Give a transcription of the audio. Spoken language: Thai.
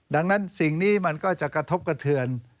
ดังนั้นสิ่งนี้มันก็จะกระทบกระเทือน